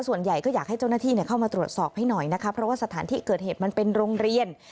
ส่วนใหญ่ก็อยากให้เจ้าหน้าที่เข้ามาตรวจสอบให้หน่อยนะคะเพราะว่าสถานที่เกิดเหตุมันเป็นโรงเรียน